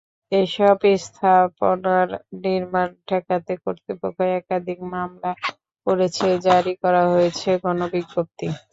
এসব স্থাপনার নির্মাণ ঠেকাতে কর্তৃপক্ষ একাধিক মামলা করেছে, জারি করা হয়েছে গণবিজ্ঞপ্তি।